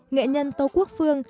nghệ nhân tâu quốc phương